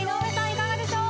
いかがでしょう？